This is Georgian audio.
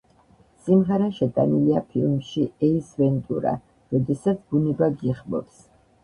სიმღერა შეტანილია ფილმში ეის ვენტურა: როდესაც ბუნება გიხმობს.